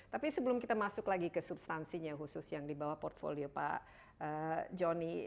tapi sebelum kita masuk lagi ke substansinya khusus yang di bawah portfolio pak johnny